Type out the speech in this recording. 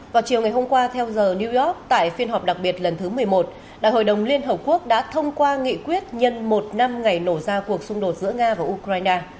vào chiều ngày hôm qua theo giờ new york tại phiên họp đặc biệt lần thứ một mươi một đại hội đồng liên hợp quốc đã thông qua nghị quyết nhân một năm ngày nổ ra cuộc xung đột giữa nga và ukraine